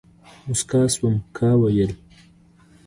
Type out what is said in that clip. موسکا شوم ، کا ويل ،